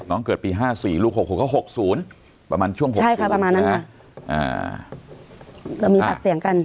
เรามีปากเสี่ยงกัน